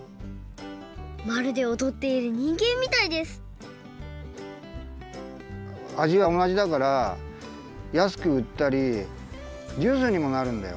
まるでおどっているにんげんみたいですあじはおなじだからやすくうったりジュースにもなるんだよ。